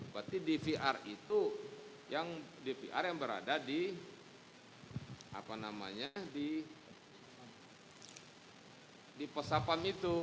berarti dvr itu yang dvr yang berada di apa namanya di pos sapam itu